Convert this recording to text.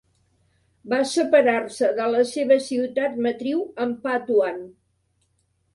Va separar-se de la seva ciutat matriu, Ampatuan.